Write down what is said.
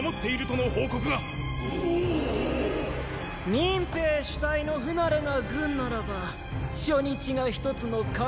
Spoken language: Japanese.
民兵主体の不慣れな軍ならば初日が一つの鍵であろう総司令。